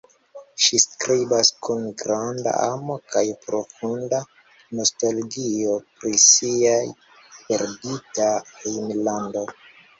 Ŝi skribas kun granda amo kaj profunda nostalgio pri sia perdita hejmlando.